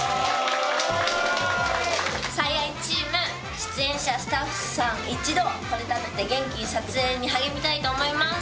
最愛チーム出演者スタッフさん一同これ食べて元気に撮影に励みたいと思います